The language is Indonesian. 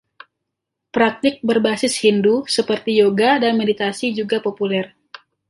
Praktik berbasis Hindu seperti Yoga dan meditasi juga populer.